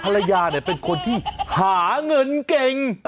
ภรรยาเป็นคนที่หาเงินเก่ง